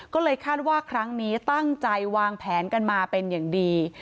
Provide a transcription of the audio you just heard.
ก็เลยคาดว่าครั้งนี้ตั้งใจวางแผนกันมาเป็นอย่างดี